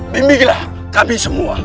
bimbingilah kami semua